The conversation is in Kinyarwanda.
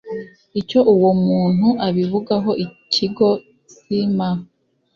icyo uwo muntu abivugaho ikigo cma